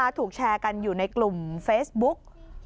ถูกแชร์กันอยู่ในกลุ่มเฟซบุ๊ก